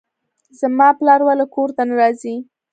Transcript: زما پلار ولې کور ته نه راځي.